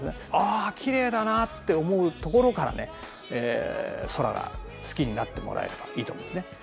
あきれいだなって思うところから空が好きになってもらえればいいと思うんですね。